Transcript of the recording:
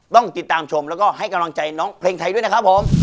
ต้องติดตามชมแล้วก็ให้กำลังใจน้องเพลงไทยด้วยนะครับผม